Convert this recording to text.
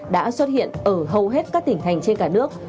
đã xuất hiện ở hầu hết các tỉnh thành trên cả nước